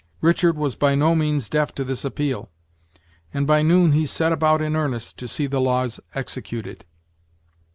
Richard was by no means deaf to this appeal, and by noon he set about in earnest to see the laws executed.